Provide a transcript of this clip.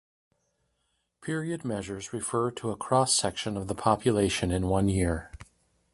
"Period" measures refer to a cross-section of the population in one year.